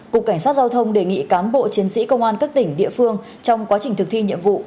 cục cảnh sát giao thông đề nghị cán bộ chiến sĩ công an các tỉnh địa phương trong quá trình thực thi nhiệm vụ